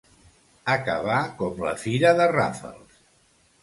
Acabar com la fira de Ràfels.